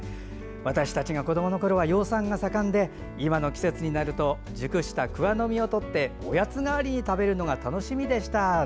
私たちが子どものころは養蚕が盛んで、今の季節になると熟した桑の実を取っておやつ代わりに食べるのが楽しみでした。